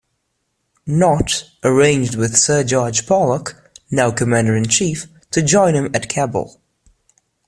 Nott arranged with Sir George Pollock, now commander-in-chief, to join him at Kabul.